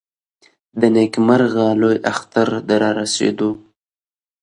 د نېکمرغه لوی اختر د رارسېدو .